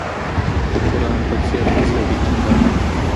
د قران په څېر مذهبي کتاب.